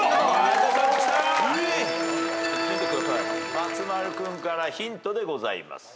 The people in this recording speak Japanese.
松丸君からヒントでございます。